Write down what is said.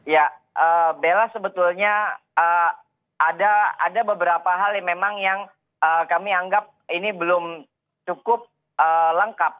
ya bella sebetulnya ada beberapa hal yang memang yang kami anggap ini belum cukup lengkap